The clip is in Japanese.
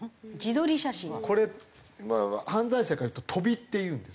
これの場合は犯罪者からいうと飛びっていうんですよ。